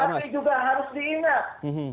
dan kami juga harus diingat